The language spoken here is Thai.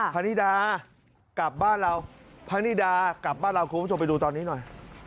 พนิดากลับบ้านเราพนิดากลับบ้านเราคุณผู้ชมไปดูตอนนี้หน่อย